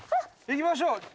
行きましょう！